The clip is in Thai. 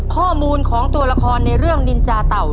ข้อมูลของตัวละครในเรื่องนินจาเต่า